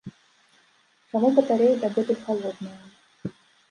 Чаму батарэі дагэтуль халодныя?